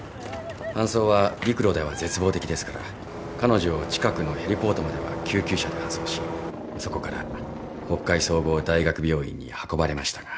搬送は陸路では絶望的ですから彼女を近くのヘリポートまでは救急車で搬送しそこから北海総合大学病院に運ばれましたが。